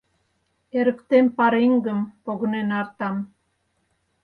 Эрыктем пареҥгым Погынен артам